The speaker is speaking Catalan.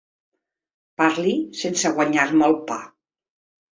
Parli sense guanyar-me el pa.